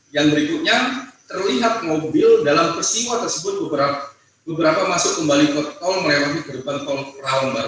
yang berikutnya terlihat mobil dalam persiwa tersebut beberapa masuk kembali ke tol melewati gerbang tol perahambar